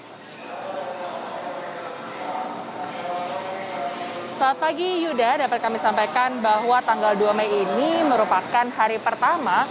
selamat pagi yuda dapat kami sampaikan bahwa tanggal dua mei ini merupakan hari pertama